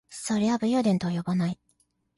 それは武勇伝とは呼ばない